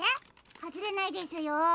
はずれないですよ？